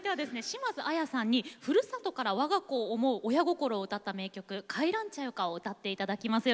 島津亜矢さんにふるさとからわが子を思う親心を歌った名曲「帰らんちゃよか」を歌って頂きます。